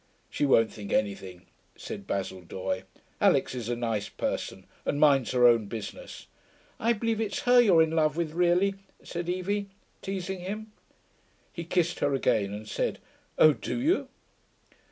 'She won't think anything,' said Basil Doye. 'Alix is a nice person, and minds her own business.' 'I believe it's her you're in love with really,' said Evie, teasing him. He kissed her again, and said, 'Oh, do you?'